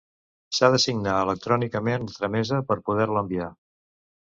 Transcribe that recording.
S'ha de signar electrònicament la tramesa per poder-la enviar.